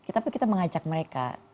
tapi kita mengajak mereka